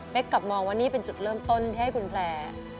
กลับมองว่านี่เป็นจุดเริ่มต้นที่ให้คุณแพลร์